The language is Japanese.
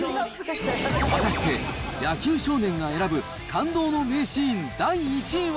果たして野球少年が選ぶ感動の名シーン第１位は。